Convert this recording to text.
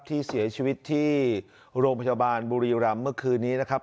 ที่เสียชีวิตที่โรงพยาบาลบุรีรำเมื่อคืนนี้นะครับ